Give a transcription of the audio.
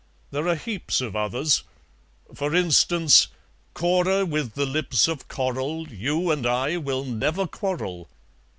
"There are heaps of others; for instance: 'Cora with the lips of coral, You and I will never quarrel.'